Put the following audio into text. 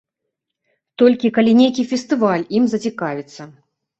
Толькі калі нейкі фестываль ім зацікавіцца.